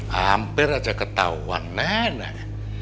hampir saja ketahuan nenek